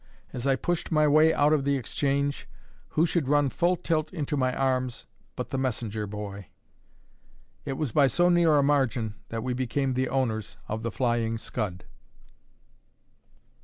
as I pushed my way out of the exchange, who should run full tilt into my arms, but the messenger boy? It was by so near a margin that we became the owners of the Flying Scud.